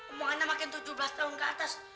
omongannya makin tujuh belas tahun ke atas